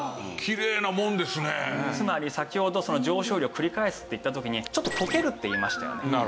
つまり先ほど上昇流を繰り返すって言った時にちょっと溶けるって言いましたよね。